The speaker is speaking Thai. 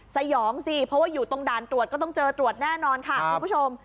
สยองสิเพราะว่าอยู่ตรงด่านตรวจก็ต้องเจอตรวจแน่นอนค่ะคุณผู้ชม